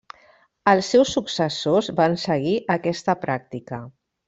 Els seus successors van seguir aquesta pràctica.